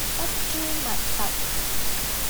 筆誅墨伐